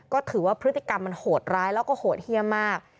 ก็ถือว่าพฤติกรรมมันโหดร้ายแล้วก็โหดเยี่ยมมาก